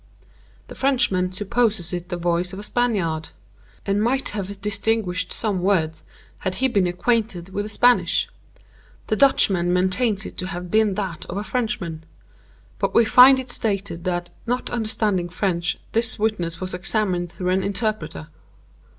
The Frenchman supposes it the voice of a Spaniard, and 'might have distinguished some words had he been acquainted with the Spanish.' The Dutchman maintains it to have been that of a Frenchman; but we find it stated that '_not understanding French this witness was examined through an interpreter.